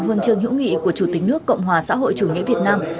huân chương hữu nghị của chủ tịch nước cộng hòa xã hội chủ nghĩa việt nam